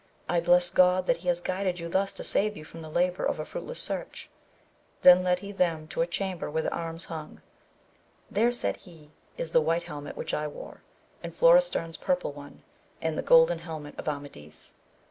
I bless God that he has guided you thus to save you the labour of a fruitless search ! then led he them to a chamber where the arms hung, there said he is the white helmet which I wore, and Florestan's purple one, and the golden helmet of Amadis.